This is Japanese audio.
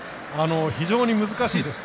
非常に難しいです。